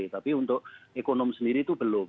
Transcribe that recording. tapi untuk ekonomi sendiri itu belum